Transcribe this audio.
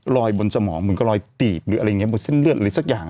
บนสมองเหมือนกับรอยตีบหรืออะไรอย่างนี้บนเส้นเลือดอะไรสักอย่าง